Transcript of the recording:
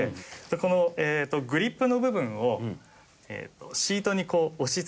このグリップの部分をシートにこう押し付けます。